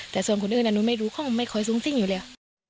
แต่ส่วนคนอื่นอันนั้นไม่รู้เขาไม่คอยซุ้งซิ้งอยู่เลย